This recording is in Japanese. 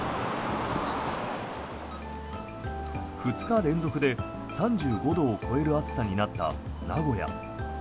２日連続で３５度を超える暑さになった名古屋。